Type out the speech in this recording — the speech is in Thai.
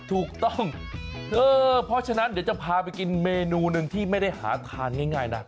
ถูกต้องเพราะฉะนั้นเดี๋ยวจะพาไปกินเมนูหนึ่งที่ไม่ได้หาทานง่ายนะ